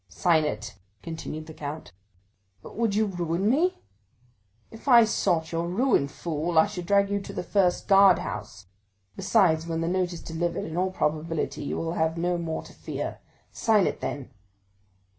"Sign it!" continued the count. "But would you ruin me?" "If I sought your ruin, fool, I should drag you to the first guard house; besides, when that note is delivered, in all probability you will have no more to fear. Sign it, then!"